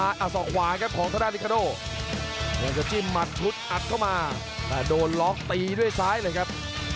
อยากจะจิ้มหมัดชุดอัดเข้ามาโดนล็อกตีด้วยซ้ายเลยครับ